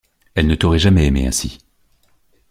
Elle ne t’aurait jamais aimée ainsi!